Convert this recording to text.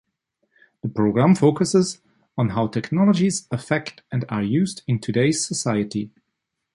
The program focuses on how technologies affect and are used in today's society.